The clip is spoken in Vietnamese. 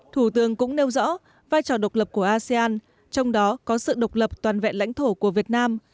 thủ tướng cũng nêu rõ vai trò độc lập của asean trong đó có sự độc lập toàn vẹn lãnh thổ của việt nam